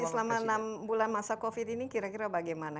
selama enam bulan masa covid ini kira kira bagaimana